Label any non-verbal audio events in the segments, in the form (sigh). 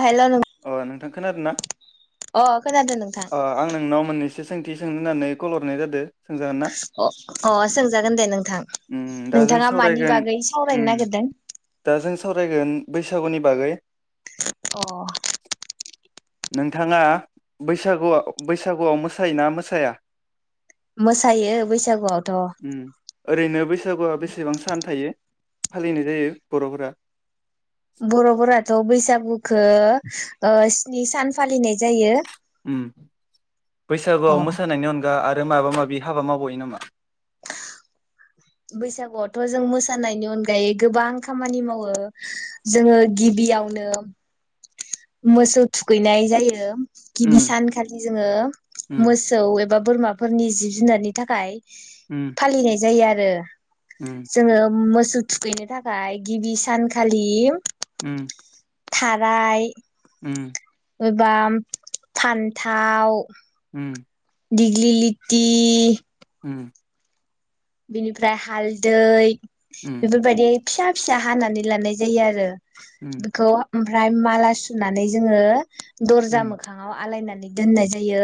हेल' नों अ नोंथां खोनादोना? अ खोनादो नोंथां। मोननैसो सोंथि सोंनोनानै कल हरनाय जाद अ अ सोंजागोन दे नोंथां उम दा जों नोंथाङा मानि सावरायगोन बागै सावरायनो उम नागिरदों दा जों सावरायगोन बैसागुनि बागै अ नोंथाङा बैसागु बैसागुआव मोसायोना मोसाया? मोसायो बैसागुआवथ। उम ओरैनो बैसागुआ बेसेबां सान थायो फालिनाय जायो बर'फोरा बरफोराथ बैसागु खो ओ स्नि सान फालिनाय जायो उम अ बैसागुआव मोसानायनि अन दा आरो माबा माबि हाबा मावबायो नामा? बैसागुआवथ' जों मोसानायनि अनगायै गोबां खामानि मावो जोङो गिबियावनो मोसौ थुखैनाय जायो गिबि उम सानखालि जोङो उम मोसौ एब बा बोरमाफोरनि जिब जुनारनि थाखाय उम फालिनाय जायो आ रो जोङो मोस थु-थुखैनो थाखाय गिबि सानखालि उम थाराय उम एबा फान्थाव उम दिग्लिलिति उम बिनिफ्राय हालदै उम बेफोर बायदि फिसा फिसा हानानै लानाय जायो आरो। उम उम बिखौ ओमफ्राय माला सुनानै जोङो दर्जा उम मोखाङाव आलायना दोननाय जायो।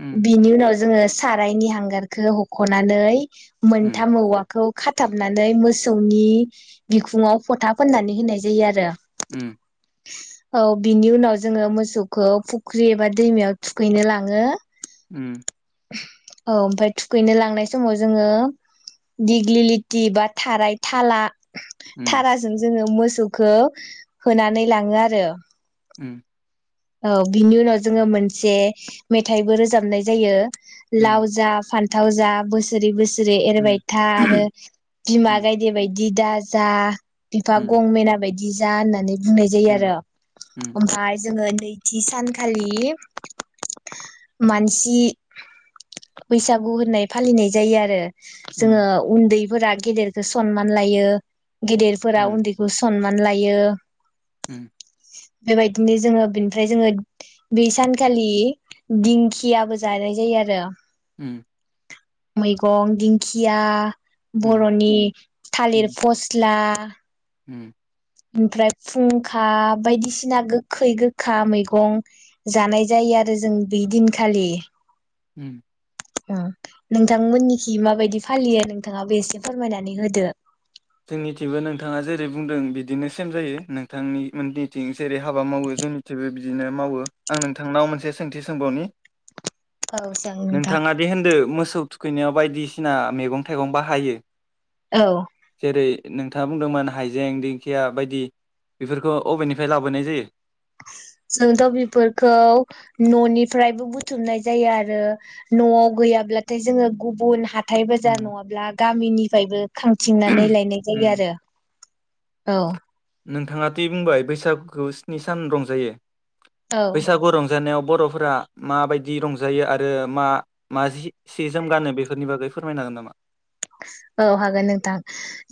उम बिनि उनाव जोङो सारायनि हांगारखो हखनानै उम मोनथाम औवा खौ खाथाबनानै मोसौनि बिखुंङाव फोथा फोननानै होनाय जायो आरो। उम औ बिनि उनाव जोङो मोसौखो फुख्रि एबा दैमायाव थुखैनो लाङो। उम। औ ओमफाय थुखैनो लांनाय समाव जोङो दिग्लिलिति बा थाराय थाला उम थाराजों जोंङो मोस सौखो होनानै लाङो आरो। उम। औ बिनि उनाव जोङो मोनसे मेथाइबो रोजाबनाय जायो। लावजा फान थाव जा बोसोरि बोसो रि एरबाय था आरो बिमा गायदे बाय दि दाजा बिफा गं मेना बाय बिजा होननानै बुंनाय जायो आरो। ओमफाय जोङो नैथि सानखालि मानसि बैसागु होननाय फालिनाय जायो आरो। जोङो उन्दै फोरा गेदेरखो सनमान लायो। गिदिरफोरा उन्दैखौ सन मान लायो। उम बेबायदिनो जोङो बिनिफ फ्राय जोङो बे सानखालि दिंखियाबो जानाय जायो आरो उम मैगं दिंखिया बर'नि थालिर फस्ला आ उम ओमफ्राय फुंखा बायदिसिना गोखै गोखा मैगं जानाय जायो आरो जों बि दिनखालि। उम ओ नोंथांमोननिखि माबायदि फालियो नोंथाङाबो एसे फोरमायनानै होदो। जोंनिथिंबो नोंथाङा जेरै- बुंदों बिदिनो सेम जायो। नोंथांनि मोनदिथि जेरै हाबा मावो जोंनिथिबो बिदिनो मावो। आं नोंथांनाव मोनसे सोंथि सोंबावनि औ जागोन नोंथां नोंथाङा दे होनदो मोस खौ थुखैनायाव बायदिसिना मेगं-थाइगं बाहायो। औ जेरै नोंथांङा बुंदोंमोन हाइजें दिंखिया बायदि बेफोरखौ अबेनिफ्राय लाबोनाय जायो? जोंथ बेफोरखौ न'निफ्रायबो बुथुमनाय जायो आरो न'आव गैयाब्लाथाय जोङो गुबुन हाथ थाय उम बाजार नङाब्ला गामिनिफायबो खांथिंनानै लायनाय उम जायो आरो औ। नोंथांङा ति बुंबाय बैसागुखौ स्नि सान रंजायो। औ बैसागु रंजानायाव बर'फोरा माबायदि रंजायो आरो मा मा जि सि जोम गानो बेफोरनि बागै फोरमायन हागोन नामा? औ हागोन नोंथां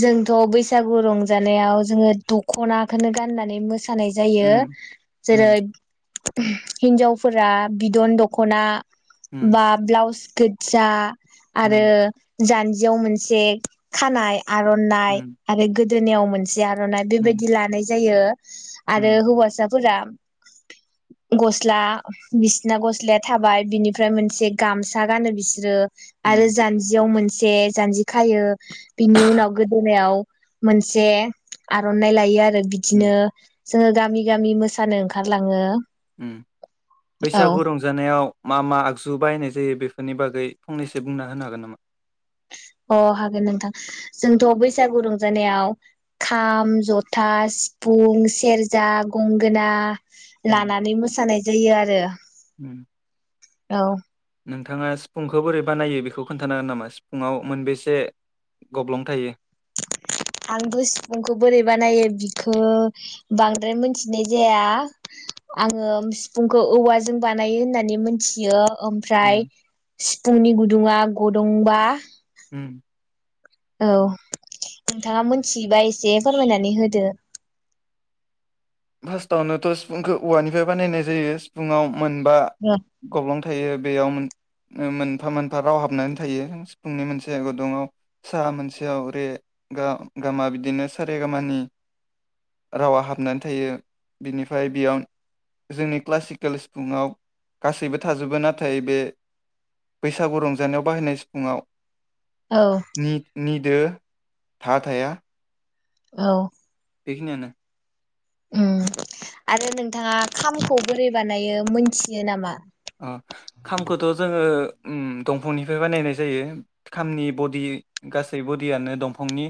जोंथ बैसागु रंजानायाव जोंङो दख'नाखोनो गाननानै मोस सानाय जायो उम जेरै उम हिनजावफोरा बिदन दखना। उम बा ब्लाउस गोदजा आरो उम जान जियाव मोनसे खानाय आरनाइ उम आरो गोद दोनाव मोनस जि आरनाइ उम बेबायदि लानायज जायो उम आरो हौवासा। फोरा गस्ला बिसिना गस्लाया थाबाय बिनिफ्राय मोनसे गामसा गानो बिसोरो। आरो उम जानजियाव मोन जे जानजि खायो बिनि उनाव गोदोनायाव मोनसे आरनाइ लायो आ ओ उम बिदिनो जोङो गामि गामि मोसानो ओंखारलाङो। उम औ बैसागु रंजानायाव मा मा आगजु बायनाय जायो बेफोरनि बागै फंनैसो बुंना होनो हागोन नामा? अ हागोन नोंथां जोंथ बैसागु रंजानायाव खाम जथा सिफुं सेरजा गंगोना। उम लानानै मोसानाय जायो आरो उम औ। नोंथाङा सिफुंखौ बोरै बानायो बेखौ खोन्थानो हागोन नामा सिफुंआव मोनबेसे गब्लं थायो। आंबो सिफुंखौ बोरै बानायो बिखौ बांद्राय मिथिनाय जाया आङो सिफुंखौ औवाजों बानायो होननानै मिथियो। उम ओमफ्राय सिफुंनि गुदुङा गुदुंबा उम औ नोंथाङा मोनथियोबा एसे फोरमायनानै होदो फार्स्टावनोथ सिफुंखौ औवानिफ्राय बानायनाय जायो सिफुुंआव मोनबा गब्लं थायो बेयाव मोन ओ मोनफा मोनफा राव हाबनानै थायो सिफुंनि मोनसे गदुङाव सा मोनसेयाव रे गा गामा बिदिनो सारे गामानि रावा हाबनानै थायो थायो बिनिफ्राय बेयाव जोंनि क्लासिकेल सिफुङाव गासैबो थाजोबो नाथाय बे बैसागु रंजानायाव बाहायनाय सिफुङाव औ नित नित दो था-थाया औ। बेखिनियानो। ओम आरो नोंथाङा खामखौ बोरै बानायो मोनथियो नामा? अ खामखौथ जोङो उम दंफांनिफ्राय बानायनाय जायो खामनि बडि गासै बडियानो दंफांनि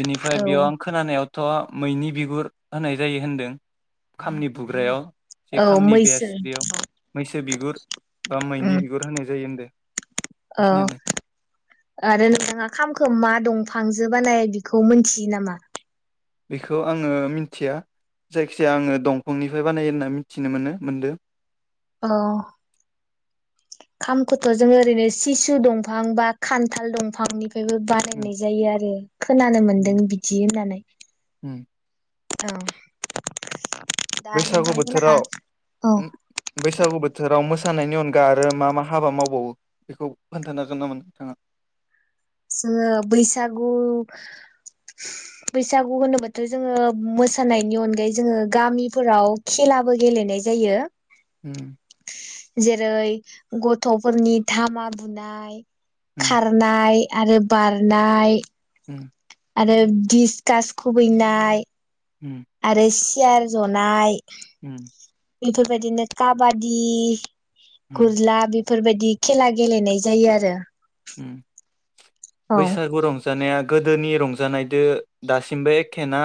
बिनिफ्राय औ बेयाव आं खोनानायाव थ मैनि बिगुर होनाय जायो होनदों खामनि बुग्रायाव। जे औ खामनि मैसो बेस औ बेयाव मैसो बिगुर बा मैनि बिगुर होनाय जायो होनदो बेखिनियानो आरो नोंथाङा खामखौ मा दंफांजों बानाय बेखौ मोनथियो नामा बेखौ आङो मिथिया जायखिजाया आङो दंफांनिफ्राय बानायो होनना मिथिनो मोनो मोनदों औ खामखौथ जोङो ओरैनो सिसु दंफां बा खान्थाल दंफांनि उम बानायनाय जायो आरो खोनानो मोनदों बिदि होननानै उम औ दा बैसागु नोंथांमोनहा बोथोराव औ बैसागु बोथोराव मोस मोसानायनि अनगा आरो मा मा हाबा मावबावो बेखौ खोन्थानो हागोन नामा नोंथाङा जोङो बैसागु बैसागु होनोबाथ जोङो मोसानायनि अनगायै जोङो गामिफोराव खेलाबो गेलेनाय जायो ओ जेरै गथ'फोरनि धामा दुनाय। खारनाय आरो बारनाय उम आरो डिसकास खुबैनाय आरो सि सियार जनाय उम बेफोरबायदिनो काबादि खुरला बि बेफोरबायदि खेला गेलेनाय जायो आरो उम औ बैसा गरम रंजानाया गोदोनि रंजानायदो दासिमबो एखे न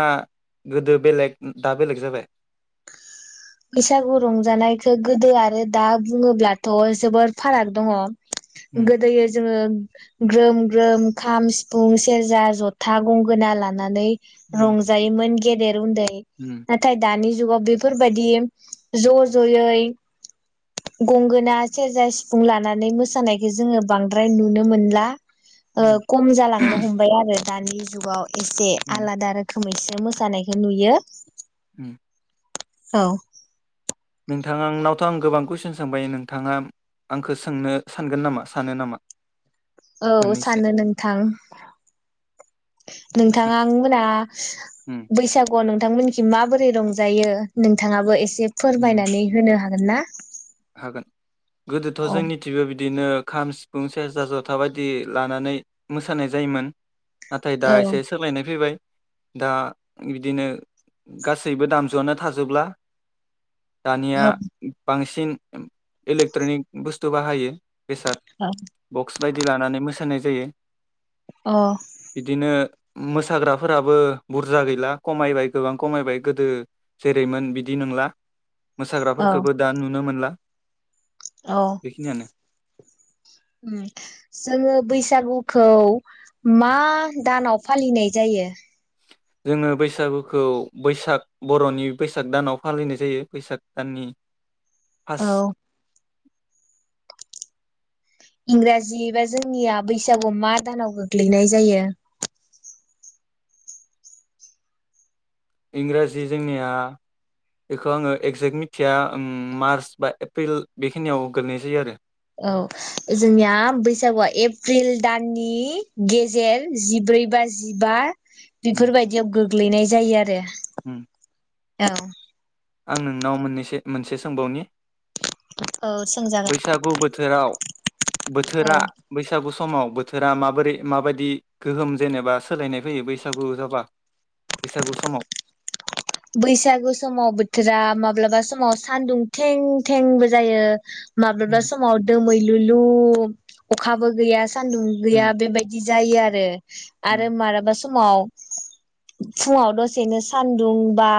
गोदो बेलेग दा बेलेग जाबाय बैसागु रंजानायखौ गोदो आरो दा बुङोब्लाथ जोबोद फाराग दङ। गोदोयो जोङो ग्रोम ग्रोम खाम सिफुं सेरजा जथा गंगोना लानानै रंजायोमोन गेदेर उन्दै नाथाय दानि ज जौआव बेफोर बे बायदि ज जयै गंगोना सेरजा सिफुं लानानै मोसानायखौ जोङो बांद्राय नुनो मोनला ओ खम जालांनो हमबाय आरो दानि जुगाव एसे आलादा रोखोमैसे मोसानायखौ नुयो। उम औ। नोंथांंआंनावथ' आं गोबां कुइसन सोंबाय नोंथाङा आंखौ सोंनो सानगोन नामा सानो नामा? औ मोननैसो सानो नोंथां नोंथां सों मोना बैसागुआव नों थांमोनसिम माबोरै रंजायो नोंथाङाबो एसे फोरमायनानै होनो हा गोन ना। हागोन गोदोथ' औ जोंनि थिबो बि दिनो खाम सिफुं सेरजा जथा बायदि लानानै मोसानाय जायोमोन नाथाय दा औ एसे सोलायनाय फैबाय, दा बिदिनो गासैबो दामजुआनो थाजोबला, दानिया बांसि सिन ओम इलेक्ट्रनिक बुस्थु बाहायो। बेसाद औ बक्स। बायदि लानानै मोसानाय जायो बिदिनो मोसाग्राफोराबो बुरजा गैला खमायबाय गोबां खमायबाय गोदो जेरैमोन बिदि नोंला औ मोसाग्राफोरखौबो दा नुनो मोनला औ बेखिनियानो उम जोङो बैसागुखौ मा दानाव फालिनाय जायो जोङो बैसागुखौ बैसाग बर'नि बैसाग दानाव फालिनाय जायो बैसाग दाननि औ फार्स्ट इंराजि बा जोंनिया बैसागु मा दानाव गोग्लैनाय जायो? इंराजि जोंनिया बेखौ आङो एगजेक्ट मिथिया उम मार्च बा एप्रिल बेखिनियाव गोलैनाय जायो आरो। औ जोंनिया बैसागुआ एप्रिल दाननि गेजेर जिब्रै बा जिबा उम बिफोरबायदियाव गो ग्लैनाय जायो आरो उम औ आं नोंनाव मोननैसो मोनसे सोंबावनि औ सोंजागोन बैसागु बोथोराव औ बोथोरा बैसागु समाव बो थोरा माबोरै माबायदि गोहोम जेनेबा सोलायनाय फैयो बैसागु जाबा बैसागु समाव बैसागु समाव बोथोरा माब्लाबा समाव सानदुं थें थेंबो जायो। माब्लाबा उम समाव दोमैलुलु अखाबो गैयास सान्दुं गैया उम बेबायदि जायो आरो। उम आरो माराबा स समाव फुङाव दसेनो सान्दुं बा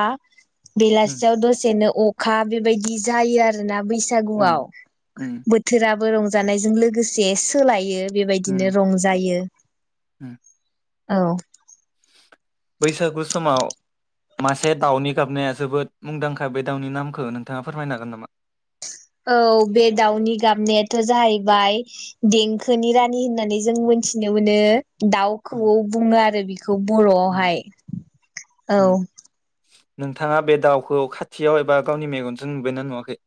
उम बेलासियाव दसेनो अ खा बेबायदि जायो आरोना। बैसागुआव उम बोथोराबो रंज जानायजों लोगोसे सोलायो। बेबायदिनो रंजायो। होम औ। बैसागु समाव मासे दाउनि गाबनाया जोबोद मुंदांखा बे दाउनि नामखौ नोंथाङा फोरमायनो हागोन नामा। औ बे दाउनि गाबनायाथ' जाहैबाय देंखोनि रानि होननानै जों मोनथिनो मोनो। दाउ उम खौवौ बुङो आरो बि बेखौ उम बर'आवहाय औ उम नोंथाङा बे दाउखौ खाथियाव एबा गावनि मेगनजों नुुबोनना नुवाखै?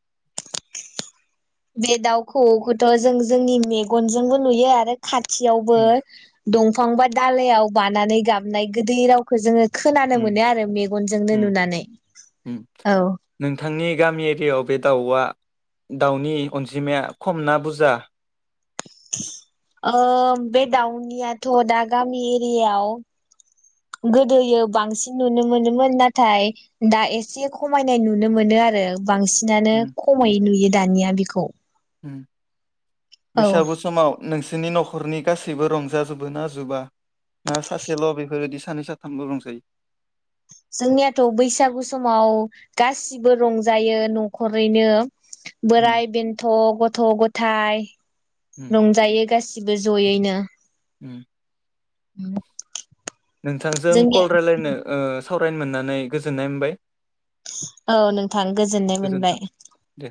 बे दाउ खौवौथ जों जोंनि मेगनजोंबो नुयो आरो खाथियावबो उम दंफां बाय दालायाव बानानै गाबनाय गोदै रावखौ जोङो खोनानो उम मोनो आरो मेगनजोंनो उम नुनानै उम औ। नोंथांनि गामि एरियायाव बे दाउआ दाउनि अनजिमाया खम ना बुजा? ओ बे दाउनियाथ दा गामि एरियाव गोदोयो बांसिन नुनो मोनोमोन नाथाय दा एसे खमायनाय नुनो मोनो आरो। बांसिनानो उम खमै नुयो। दानिया बिखौ उम। बैसागु समाव नोंसोर सो नि नखरनि गासैबो रंजाजोबो ना जोबा? ना सासेल बेफोरबायदि सानै साथामल' रंजायो? जोंनियाथ' बैसागु समाव गासिबो रंजायो न'खरैनो। उम बोराइ बेन्थ' गथ' गथ थाइ उम रंजायो गासि सिबो जयैनो। उम उम (unintelligible) नोंथांजों कल रायलायनो ओ सावरायनो मोननानै गोजोननाय मोनबाय। औ नोंथां गोजोननाय गोजोन्थों मोनबाय। दे।